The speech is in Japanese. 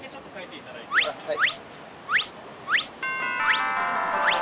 はい。